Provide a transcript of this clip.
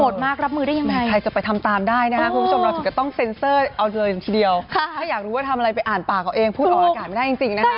ได้อีกได้อีกเรายาวไปเลย